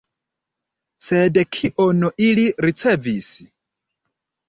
Sed kion ili ricevis?